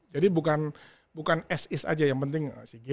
jadi bukan sis aja yang penting